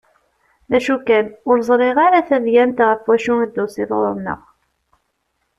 D acu kan ur ẓriɣ ara tadyant ɣef wacu i d-tusiḍ ɣur-nneɣ?